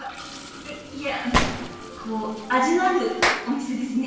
いやあのこう味のあるお店ですね。